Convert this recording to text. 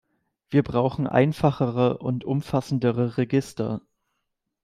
Wir brauchen einfachere und umfassendere Register.